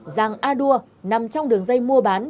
giàng a đua nằm trong đường dây mua bán